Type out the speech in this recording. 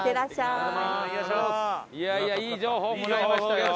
いやいやいい情報をもらいましたよ。